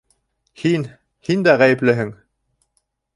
Һин, һин дә ғәйеплеһең!